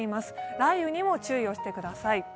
雷雨にも注意をしてください。